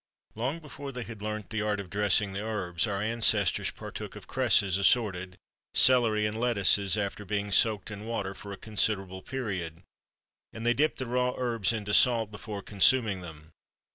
Long before they had learnt the art of dressing the herbs, our ancestors partook of cresses (assorted), celery, and lettuces, after being soaked in water for a considerable period; and they dipped the raw herbs into salt before consuming them.